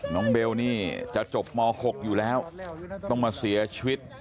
เบลนี่จะจบม๖อยู่แล้วต้องมาเสียชีวิต